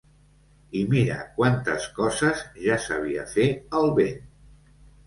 I mira quantes coses ja sabia fer el vent!